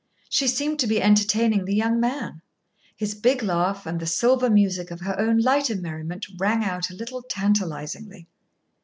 She seemed to be entertaining the young man. His big laugh and the silver music of her own lighter merriment rang out a little tantalisingly.